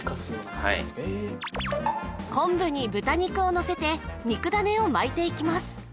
はい昆布に豚肉をのせて肉種を巻いていきます